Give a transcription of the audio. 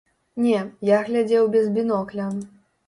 Не, я глядзеў без бінокля.